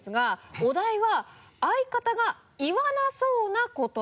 お題は「相方が言わなそうな言葉」